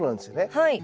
はい。